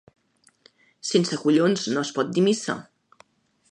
Sense collons no es pot dir missa.